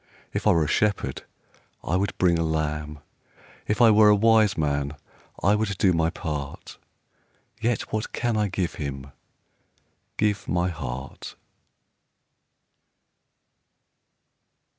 If I were a shepherd I would bring a lamb ; If I were a wise man, I would do my part, — Yet what I can I give Him, Give my heart.